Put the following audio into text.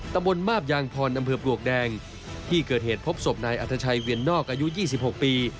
ตำบลมาบยางพรอำเภอปลวกแดงที่เกิดเหตุพบศพนายอัธชัยเวียนนอกอายุ๒๖ปี